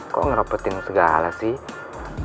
kok ngerobotin segala sih